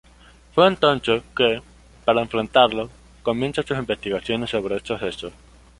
Fue entonces que, para enfrentarlos, comienzan sus investigaciones sobre esos hechos.